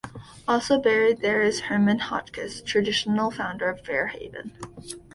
Also buried there is Herman Hotchkiss, traditional founder of Fair Haven.